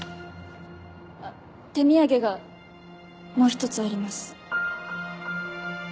手土産がもう１つあります。